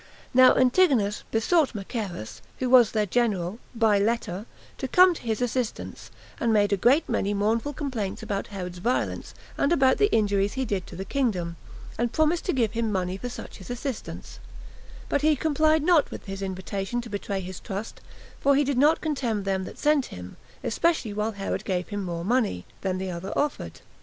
Now Antigonus besought Machaerus, who was their general, by letter, to come to his assistance, and made a great many mournful complaints about Herod's violence, and about the injuries he did to the kingdom; and promised to give him money for such his assistance; but he complied not with his invitation to betray his trust, for he did not contemn him that sent him, especially while Herod gave him more money [than the other offered].